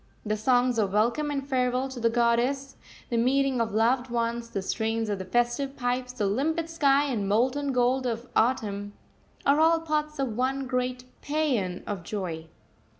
The songs of welcome and farewell to the goddess, the meeting of loved ones, the strains of the festive pipes, the limpid sky and molten gold of autumn, are all parts of one great paean of joy.